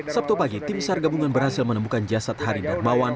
sabtu pagi tim sar gabungan berhasil menemukan jasad hari darmawan